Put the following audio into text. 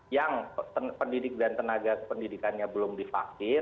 yang pendidik dan tenaga pendidikannya belum divaksin